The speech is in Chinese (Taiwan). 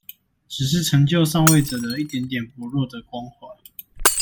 只是成就上位者的一點點薄弱的光環